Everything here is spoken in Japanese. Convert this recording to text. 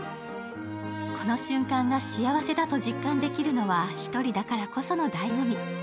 この瞬間が幸せだと実感できるのは一人だからこそのだいご味。